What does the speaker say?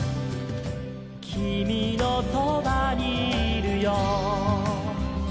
「きみのそばにいるよ」